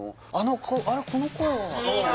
あれこの声はあ